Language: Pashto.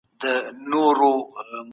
هند د افغانستان د زعفرانو لوی پیرودونکی دی.